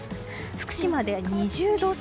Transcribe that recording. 福島で２０度差